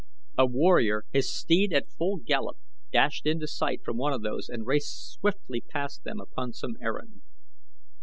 A warrior, his steed at full gallop, dashed into sight from one of these and raced swiftly past them upon some errand.